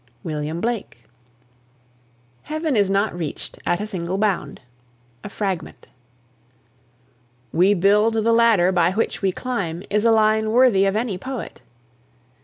WILLIAM BLAKE. HEAVEN IS NOT REACHED AT A SINGLE BOUND. (A FRAGMENT.) "We build the ladder by which we climb" is a line worthy of any poet.